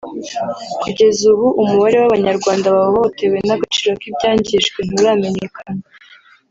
Kugeza ubu umubare w’Abanyarwanda bahohotewe n’agaciro k’ibyangijwe nturamenyekana